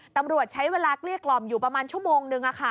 ตำรวจใช้เวลาเกลี้ยกล่อมอยู่ประมาณชั่วโมงนึง